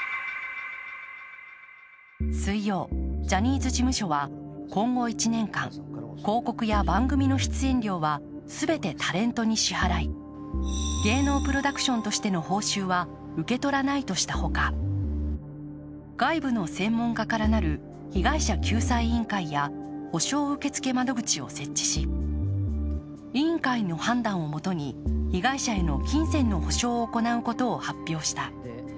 水曜、ジャニーズ事務所は今後１年間広告や番組の出演料は全てタレントに支払い、芸能プロダクションとしての報酬は受け取らないとしたほか外部の専門家からなる被害者救済委員会や、補償受付窓口を設置し委員会の判断をもとに被害者への金銭の補償を行うことを発表した。